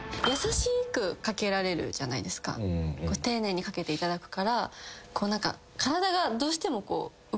丁寧にかけていただくから。